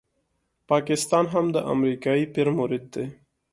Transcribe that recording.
پاکستان هم د امریکایي پیر مرید دی.